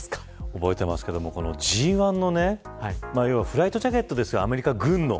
覚えてますけどもＧ１のフライトジャケットですよアメリカ軍の。